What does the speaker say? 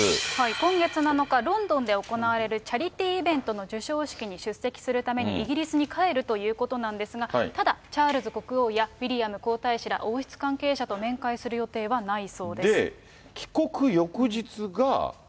今月７日、ロンドンで行われるチャリティーイベントの授賞式に出席するために、イギリスに帰るということなんですが、ただチャールズ国王やウィリアム皇太子ら王室関係者と面会する予で、帰国翌日が。